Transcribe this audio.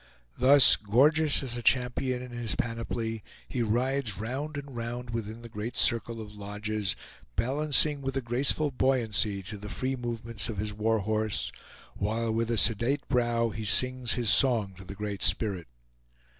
Thus, gorgeous as a champion in his panoply, he rides round and round within the great circle of lodges, balancing with a graceful buoyancy to the free movements of his war horse, while with a sedate brow he sings his song to the Great Spirit.